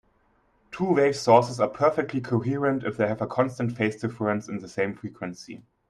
Two-wave sources are perfectly coherent if they have a constant phase difference and the same frequency.